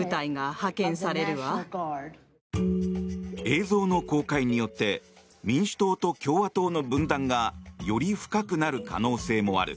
映像の公開によって民主党と共和党との分断がより深くなる可能性もある。